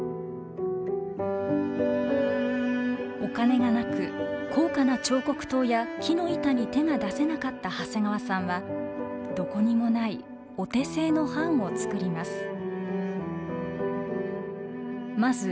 お金がなく高価な彫刻刀や木の板に手が出せなかった長谷川さんはどこにもないお手製の版を作ります。